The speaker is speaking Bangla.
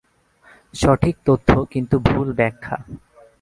সঠিক তথ্য কিন্তু ভুল ব্যাখ্যা।